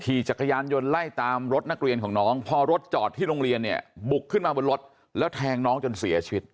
ขี่จักรยานยนต์ไล่ตามรถนักเรียนของน้องพอรถจอดที่โรงเรียนเนี่ยบุกขึ้นมาบนรถแล้วแทงน้องจนเสียชีวิต